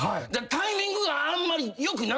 タイミングがあんまり良くなかった。